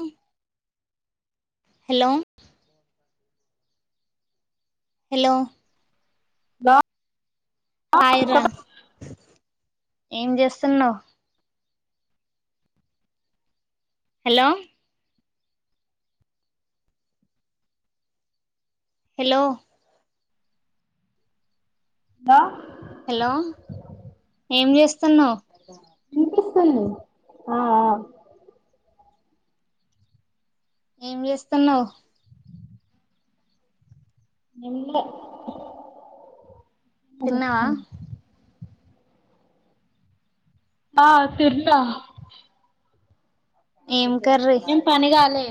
అ hello hello [unintelligible] hi రా ఏం చేస్తున్నావు హలో హలో హలో హలో ఏం చేస్తున్నావు వినిపిస్తుంది హా హా ఏం చేస్తున్నావు ఏం లే తిన్నావా [unintelligible] హా తిన్న ఏం కర్రీ ఏం పని కాలే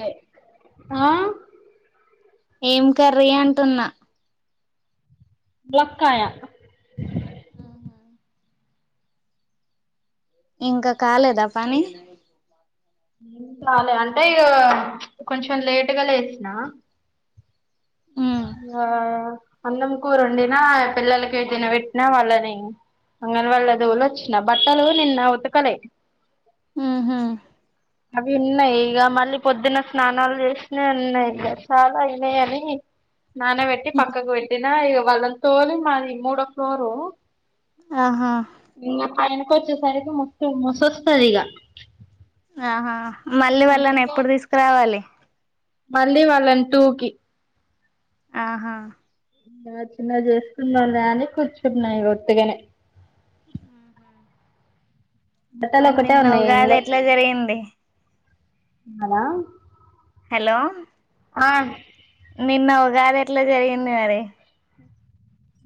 ఆ ఏం కర్రీ అంటున్నా ములక్కాయ ఆహ ఇంక కాలేదా పని చాలే అంటే ఇ కొంచెం లేటుగా లేసిన ఉమ్ ఆ అన్నం కూర వండినా పిల్లలకి యి తిన పెట్టినా వాళ్ళని అంగన వాల్లో తోలి వచ్చిన బట్టలు నిన్న ఉతకలే ఉమ్మ్ హు అవి ఉన్నాయి ఇక మళ్ళీ పొద్దున స్నానాలు చేసిన ఉన్నాయి ఇక చాలా అయినాయి అని నాన్న పెట్టి పక్కకు పెట్టినా ఇగ వాళ్ళని తోలి మాది మూడో ఫ్లోరు ఆహా ఆయనకి వచ్చేసరికి మస్తు మస వస్తది ఇగ హా మళ్ళీ వాళ్ళని అందుకే ఎప్పుడు తీసుకురావాలి మళ్ళీ వాళ్ళని టూకి ఆహా ఇ చిన్నగ చేసుకున్నా అని కూర్చున్నాయి ఉత్తిగానే ట్టతల మరి ఒకటే నిన్న ఉన్నాయి ఏం ఉగాది లేవు ఎట్లా జరిగింది హలో హలో ఆ నిన్న ఉగాది ఎట్ల జరిగింది మరి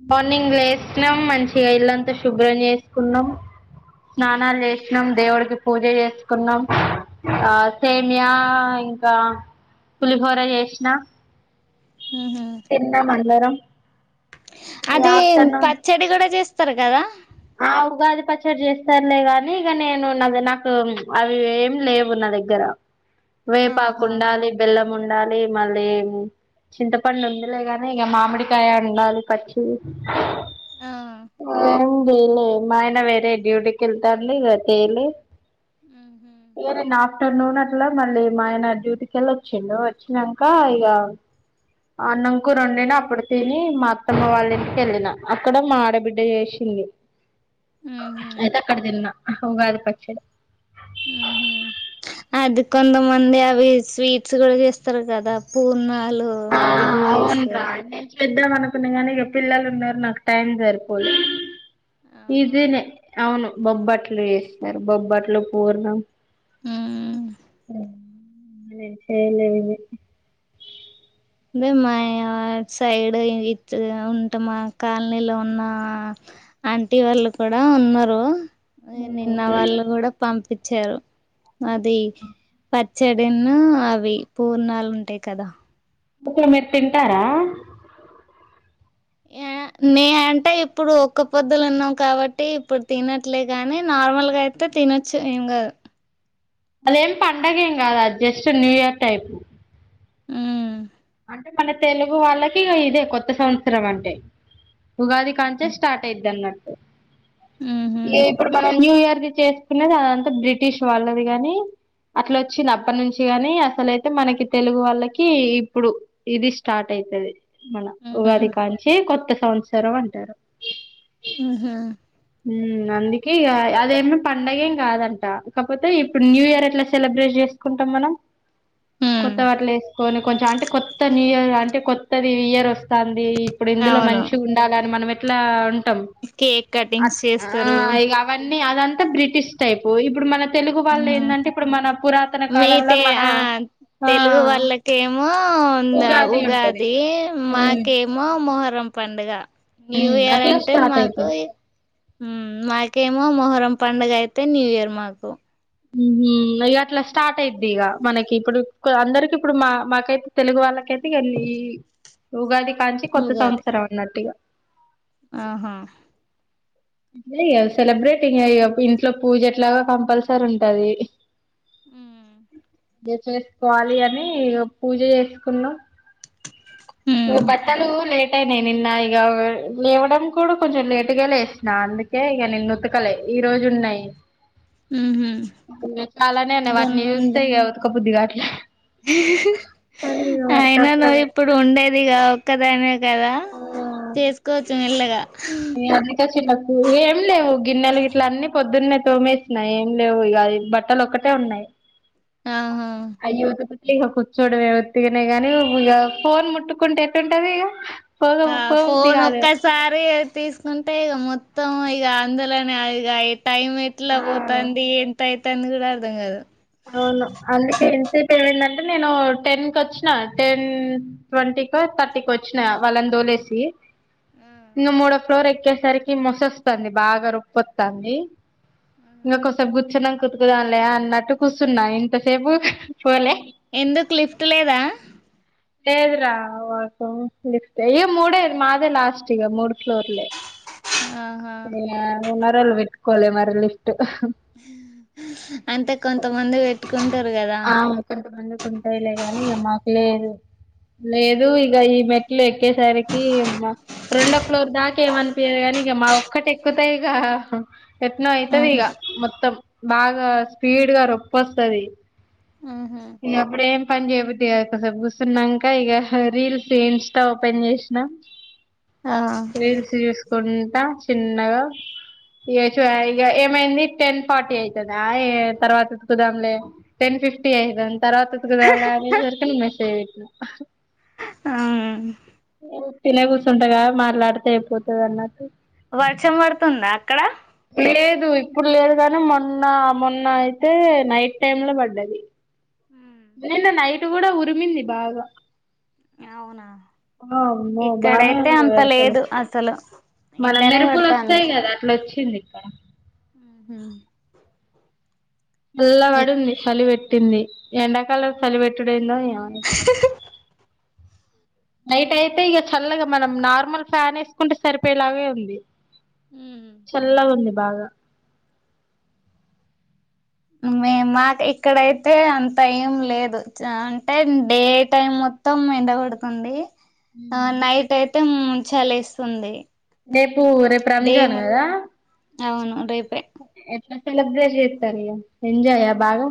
మార్నింగ్ లేసిన్నాం మంచిగా ఇల్లంతా శుభ్రం చేసుకున్నాం. స్నానాలు చేసినాం. దేవుడికి పూజ చేసుకున్నాం. ఆ సేమ్యా ఇంక్ కా పులిహోర చేసిన ఉహు తిన్నాం అందరం ఇగ అది ఆఫ్టర్నూన్ పచ్చడి కూడా చేస్తరు కదా ఆ ఉగాది పచ్చరి చేస్తారులే గాని ఇక నేను నాది నాకు అవి ఏమి లేవు నా దగ్గర వేపాకు ఆహా ఉండాలి బెల్లం ఉండాలి మళ్ళీ చింతపండు ఉందిలేగాని ఇక మామిడికాయ ఉండాలి పచ్చి ఆ ఆ నేనే మా ఆయన వేరే డ్యూటీకి వెళ్తాడు ఇగ తేలే ఉహు ఏర నాక్ ఆఫ్టర్నూన్ అట్లా మళ్ళీ మా ఆయన డ్యూటీకెళ్ళి వచ్చిండు వచ్చినంక ఇగ అన్నం కూర అండిన అప్పుడు తిని మా అత్తమ్మ వాళ్ళ ఇంటికి వెళ్ళిన అక్కడ మా ఆడబిడ్డ చేసింది ఉహు అయితే అక్కడ తిన్న ఉగాది పచ్చడి. ఆ హ అది కొంతమంది అవి స్వీట్స్ కూడా చేస్తరు కదా పూణ లు అవిగీ చేస్తరు తెద్దాం అనుకున్నా కానీ ఇగ పిల్లలు ఉన్నారు. నాకు టైం సరిపోలే. ఆహా ఈజీ నే అవును అవును. బొబ్బట్లు చేసినారు. బొబ్బట్లు, పూర్ణం. ఉ ఉ అ నే చేలేదు అదే మా సైడ్ ఉంట మా కాలనీలో ఉన్న ఆంటీ వాళ్ళు కూడా ఉన్నారు. నిన్న వాళ్ళు కూడా పంపి పచ్చారు అది పచ్చడిను అవి పూర్ణాలు ఉంటాయి కదా పుణ్ణం మీరు తింటారా ఏ నే అంటే ఇప్పుడు ఒక్క పొద్దులు ఉన్నాం కాబట్టి ఇప్పుడు తినట్లే గాని నార్మల్గా అయితే తినొచ్చు ఏం గాదు అదేం పండగ ఏం గాదు అది జస్ట్ న్యూ ఇయర్ టైపు ఉమ్ అంటే మన తెలుగు వాళ్ళకి ఇదే కొత్త సంవత్సరం అంటే ఉగాది కానుంచే స్టార్ట్ అయిదన్నట్టు ఊహూ ఇప్పుడు మనం న్యూ ఇయర్ చేసుకునేది అదంతా బ్రిటిష్ వాళ్ళది గాని అట్లా వచ్చింది అప్పడి హ్మ్ నుంచి గాని అసలైతే మనకి తెలుగు వాళ్ళకి ఇప్పుడు ఇది స్టార్ట్ అయితది మన ఉగాది కానుంచి కొత్త సంవత్సరం అంటారు ఊహూ అందుకే ఇగ అదేమో పండగ ఏం కాదంట కాకపోతే ఇప్పుడు న్యూ ఇయర్ అట్లా సెలబ్రేషన్ చేసుకుంటాం మనం హ్మ్ కొత్త వాటిలు వేసుకొని కొంచెం అంటే కొత్త న్యూ ఇయర్ అంటే కొత్త ఇయర్ వస్తాంది అది ఇప్పుడు ఇందులో మంచి ఉండాలని మనం ఎట్లా కేక్ట్ కట్ అ ఆ ఇగ అవి అన్నీ అదంతా బ్రిటిష్ టైప్ ఇప్పుడు మన తెలుగు వాళ్ళు ఏందంటే ఇప్పుడు మన పురాత మీటే ఆ తెలుగు వాళ్ళకేమో ఉగాది మాకేమో మొహరం పండుగ న్యూ హ్మ్. ఇయర్ అట్లా అంటే స్టార్ట్ మాకు అయితయి. ఉమ్ మీకేమో మొహరం పండుగా అయితే న్యూ ఇయర్ మాకు ఉమ్ హు ఇగ అట్లా స్టార్ట్ అయిద్ది ఇగ మనకి ఇప్పుడు అందరికి ఇప్పుడు మా మాకైతే తెలుగు వాళ్ళ మాకైతే ళ్ళి ఈ ఉగాది కానించి కొత్త ఉగాది సంవత్సరం అన్నట్టు ఇగ ఆహా ఏంది సెలబ్రేటింగా ఇగ ఇంట్లో పూజెట్లాగో కంపల్సరీ ఉంటది ఉమ్ ఇ [unintelligible] బెట్టుకోవాలి అని పూజ జేసుకున్నాం ఇగ బట్టలు లే టైనయ్ నిన్న ఇగ లేవడం కూడా కొంచెం లేటుగా లేస్ నా అందుకే ఇగ నిన్న ఉతకలే ఈ రోజు ఉన్నాయి ఉహు చాలానే ఉన్నాయి ఇంకా వాటిని నువ్వుండే చూస్తే ఉతక బుద్దిగాట్లే అయినా నువ్వు ఇప్పుడు ఉండేదిగా ఒక్కదానివే గదా చేసుకోవచ్చు మెల్లగా అందుకే చిన్నకూ ఏం లేవు గిన్నెలు గిట్లా అన్ని పొద్దున్నే తోమేసిన ఏం లేవు ఇగ బట్టలు ఒక్కటే ఉన్నాయి ఆహా ఇగ కూర్చోడవే ఒత్తిగనే గానీ ఇగ ఫోన్ ముట్టుకుంటే ఏట్టుంటాది ఇగ ఆ ఫోన్ ఒక్కసారి తీసుకుంటే ఇగ మొత్తం ఇగ అందులోనే అయిగా టైం ఎట్లా బోతుంది ఎంత అయితుంది గూడా అర్థం గాదు అవును అందుకే ఇంతసేపు ఏమైందంటే అంటే నేను టెన్ కి వచ్చినా టెన్ ట్వంటీకి థర్టీకి వచ్చినా వాళ్ళని దోలేసి ఇంగా మూడో ఫ్లోర్ ఎక్కేసరికి ముసొస్తొంది బాగా రొప్పొస్తొంది ఇంకా కొసేపు గుర్చున్నా ఉతుకుదాంలే అన్నట్టు కూసున్నా ఇంతసేపు పోలే ఎందుకు లిఫ్ట్ లేదా లేదురా వాళ్ళకు లిఫ్టు ఇయ మూడే మాదే లాస్ట్ ఇగా మూడు ఫోర్లే ఆహా ఇగ ఓనరోల్లు బెట్టుకోలే మరి లిఫ్ట్ అంతే కొంత మంది అవును కొంతమందికి ఉంటాయిలే గాని ఇగ మాకు లేదు లేదు ఇగ ఈ మెట్లు ఎక్కేసరికి రెండో ఫ్లోర్ దాకా ఏమనిపియదు గాని మా ఒక్కటి ఎక్కుతే ఇగ ఎట్నో ఆ అయితది ఇగ మొత్తం బాగా స్పీడ్ గా రొప్పొస్తది ఆహా ఇగ అప్పుడే పనీ చేయబుద్ధి కాదు కొద్ది కాసేపు కూర్చొనంక ఇక రీల్స్ ఇన్స్టా ఓపెన్ చేసినా ఆ రీల్స్ చూసుకుంటా చిన్నగా ఇ చ ఇక ఏమైంది టెన్ ఫార్టీ అవుతుందా ఏ తర్వాతకుదాంలే టెన్ ఫిఫ్టీ అయితాంది తర్వాత ఉతుకుదాము అనే సరికి నువ్వు మెసేజ్ పెట్టినావు ఆమ్ తినే కూర్చుంటగా మాట్లాడితే అయిపోతుంది అన్నట్టు వర్షం పడుతుందా అక్కడ లేదు ఇప్పుడు లేదు గానీ మొన్న మొన్న అయితే నైట్ టైమ్ లో బడ్డది ఉమ్ నిన్న నైట్ కూడా ఉరిమింది బాగా అవునా ఆ అమ్మో బానే ఇక్కడైతే ఉంది అంత వరుసలు లేదు అసలు మన ఎండనే మెరుపులు కొడతాంది వస్తాయి కదా అట్లా వచ్చింది ఇక ఉమ్ సల్ల పడింది చలి పెట్టింది ఎండాకాలం చలి పెట్టుడేందో ఏమో మామూలే నైట్ అయితే ఇక చల్లగా మనం నార్మల్ ఫ్యాన్ వేసుకుంటే సరిపోయేలాగే ఉంది చల్లవుంది బాగా మే మాకు ఇక్కడయితే అంత ఏం లేదు అంటే డే టైం మొత్తం ఎండ కొడుతుంది ఆ నైట్ అయితే చలిస్తుంది రేపు రేపు రంజాన్ కదా అవును రేపు ఎట్లా సెలెబ్రేట్ చేస్తారు ఇగ ఎంజాయ బాగా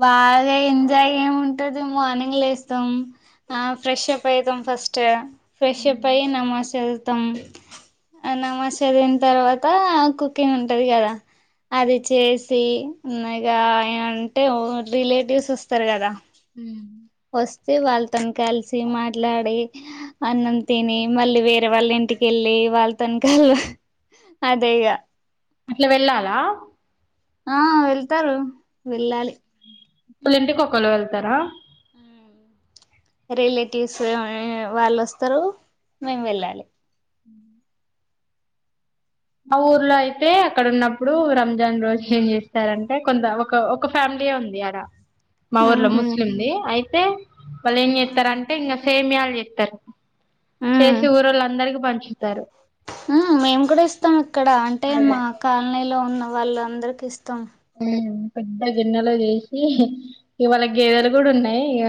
బాగా ఎంజాయ్ ఏమి ఉంటది మార్నింగ్ లేస్తం ఆ ఫ్రెష్ అప్ అయితాం ఫస్ట్ ఫ్రెష్ అప్ అయి నమాజ్ చదువుతాం ఆ నమాజ్ చదివిన తర్వాత కుకింగ్ ఉంటది కదా అది చేసి ఉన్నాయిగా అంటే ఓ రిలేటివ్స్ వస్తారు కదా సి వాళ్ళతోను కలిసి మాట్లాడి అన్నం తిని మళ్ళీ వేరే వాళ్ళ ఇంటికి వెళ్ళి ఇ వాల్తోన్ కల్ అదే ఇగ అట్లా వెళ్ళాలా ఆ వెళ్తారు వెళ్ళాలి ఇప్పులు ఇంటికిళ వెళ్తారా ఉ రిలేటివ్స్ వాళ్ళు వస్తారు మేము వెళ్ళాలి ఆ ఊర్లో అయితే అక్కడ ఉన్నప్పుడు రంజాన్ రోజు ఏం చేస్తారంటే కొంత ఒక ఒక ఫ్యామిలీ లీ ఉంది ఆడ మా ఊర్లో ఉమ్ ముస్లింది అయితే వాళ్ళు ఏం చేస్తారంటే ఇంకా సేమియా చేతరు చేసి ఊర్ళ్ళ అందరికి పంచుతారు ఉ మేము కూడా ఇస్తాం ఇక్కడ అంటే అదే మా కాలనీలో ఉన్న వాళ్ళ అందరికి ఇస్తాం ఉ పెద్ద గిన్నెలో చేసి ఇవాళ గేదెలు కూడా ఉన్నాయి ఇక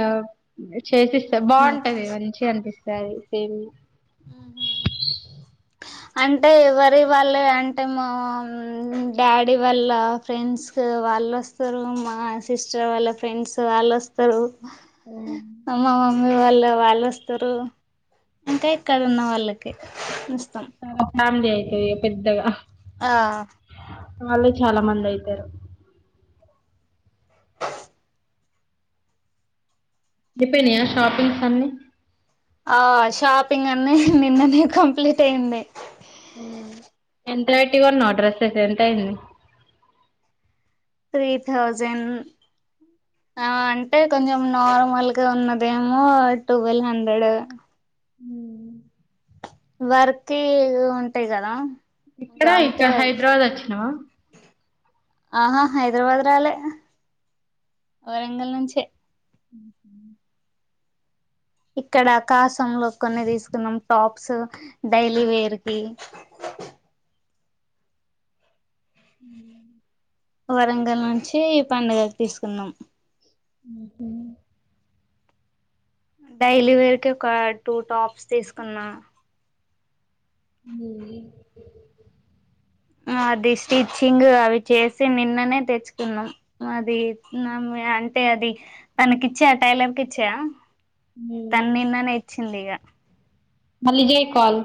చేసిస్తా బాగుంటది మంచి అనిపిస్తా సేమ్ అంటే ఎవరి వాళ్ళ అంటే మా డాడీ వాళ్ళ ఫ్రెండ్స్ వా వాళ్ళు వస్తారు మా సిస్టర్ వాళ్ళ ఫ్రెండ్స్ వాళ్ళు వస్తారు ఉ మా వాళ్ళు వాళ్ళు వస్తారు ఇంకా ఇక్కడ ఉన్న వాళ్ళకి ఇస్తాం చాలా ఫ్యామిలీ అయితది పెద్దగా ఆ వాళ్ళు చాలా మంది అయితారు అయ్యిపోయినయా షాపింగ్స్ అన్నీ ఆ షాపింగ్ అన్ని నిన్ననే కంప్లీట్ అయ్యింది ఎంత పెట్టి కొన్నవ్వు డ్రస్సెస్ ఎంత అయ్యింది త్రీ తౌజన్ ఆ అంటే కొంచెం నార్మల్గా ఉన్నదేమో ట్వెల్వ్ హండ్రెడ్ వర్కి ఇవి ఉంటాయి కదా ఈగ ఇక్కడ అంతే ఇక్కడ గది హైదరాబాద్ వచ్చినావా ఆహా హైదరాబాద్ రాలే వరంగల్ నుంచే ఉహు ఇక్కడ కాశంలో కొన్ని తీసుకున్నాం టాప్స్ డైలీ వేర్ కి ఉ వరంగల్ నుంచి పండగకి తీసుకున్నాం [unintelligible] డైలీ వేర్ కి ఒక టూ టాప్స్ తీసుకున్నా [unintelligible] అది స్టిచ్చింగ్ అవి చేసి నిన్ననే తెచ్చుకున్నాం అది నా అంటే అది తనకి ఇచ్చా టైలర్ కి ఇచ్చ తను నిన్ననే ఇచ్చింది ఇగ మల్లి జయ్ కాల్